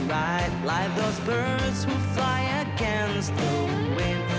เสียงความห่าวเกิดต่อมาให้โลกขึ้นมา